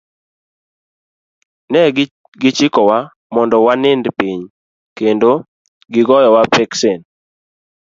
Ne gichikowa mondo wanind piny, kendo goyowa peksen.